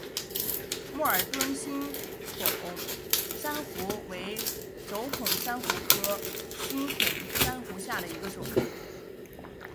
默尔敦星孔珊瑚为轴孔珊瑚科星孔珊瑚下的一个种。